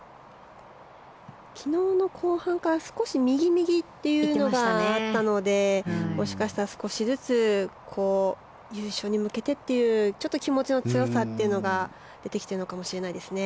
昨日の後半から少し右、右というのがあったのでもしかしたら少しずつ優勝に向けてという気持ちの強さというのが出てきてるのかもしれないですね。